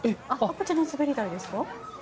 こちらの滑り台ですか？